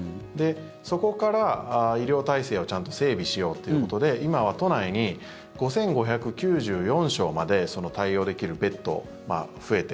そこから医療体制をちゃんと整備しようということで今は都内に５５９４床まで対応できるベッドが増えて。